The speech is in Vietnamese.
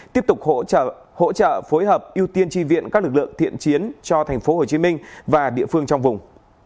tiếp tục hỗ trợ phối hợp ưu tiên tri viện các lực lượng thiện chiến cho thành phố hồ chí minh và địa phương trong vùng